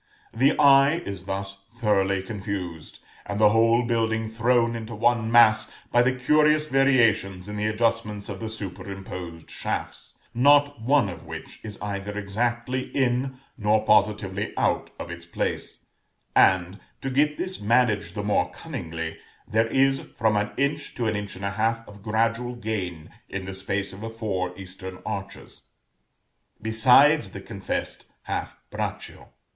The eye is thus thoroughly confused, and the whole building thrown into one mass, by the curious variations in the adjustments of the superimposed shafts, not one of which is either exactly in nor positively out of its place; and, to get this managed the more cunningly, there is from an inch to an inch and a half of gradual gain in the space of the four eastern arches, besides the confessed half braccio.